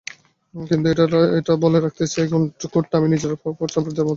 কিন্তু এটা বলে রাখতে চাই, কোর্টটা আমি নিজের র্যাকেটের মতোই চিনি।